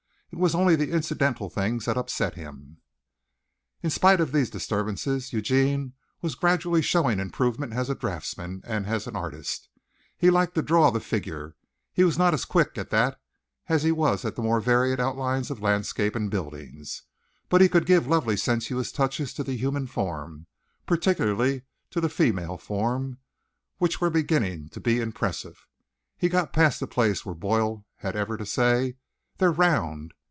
It was only the incidental things that upset him. In spite of these disturbances, Eugene was gradually showing improvement as a draughtsman and an artist. He liked to draw the figure. He was not as quick at that as he was at the more varied outlines of landscapes and buildings, but he could give lovely sensuous touches to the human form particularly to the female form which were beginning to be impressive. He'd got past the place where Boyle had ever to say "They're round."